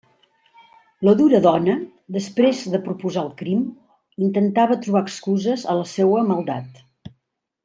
La dura dona, després de proposar el crim, intentava trobar excuses a la seua maldat.